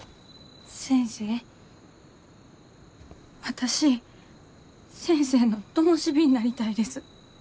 私先生のともし火になりたいです。